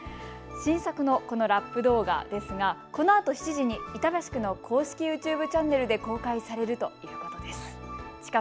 新作のこのラップ動画ですが、このあと７時に板橋区の公式ＹｏｕＴｕｂｅチャンネルで公開されるということです。